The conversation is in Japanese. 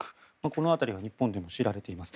この辺りは日本でも知られています。